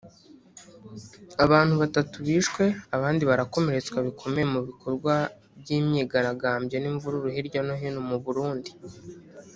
abantu batatu bishwe abandi barakomeretswa bikomeye mu bikorwa by’imyigaragambyo n’imvururu hirya no hino mu Burundi